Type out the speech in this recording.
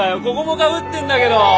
ここもかぶってんだけど。